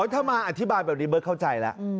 ถ้ามาอธิบายแบบนี้เบิร์ตเข้าใจแล้ว